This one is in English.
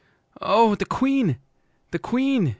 oh! the Queen! the Queen!